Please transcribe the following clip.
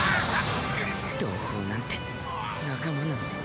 同胞なんて仲間なんて